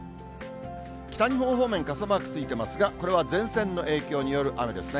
北日本方面、傘マークついてますが、これは前線の影響による雨ですね。